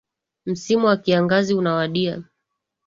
Msimu wa kiangazi unawadia.